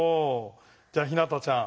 じゃあひなたちゃん。